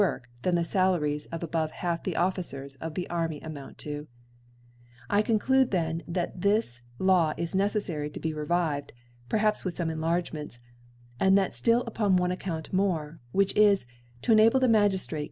Work than the Salaries of above Half the Officers of the Army amoufitto. I conclude then» that this Law is JEiece£ fary to be revived, (perhaps with ibme En* Jargcnients) and that ftill upon one Account more ; which ]S> to enable the Magiflir^te.